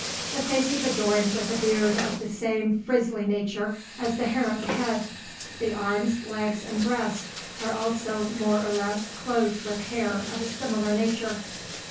The face is adorned with a beard of the same frizzly nature as the hair of the head. The arms, legs, and breast are also more or less clothed with hair of a similar nature.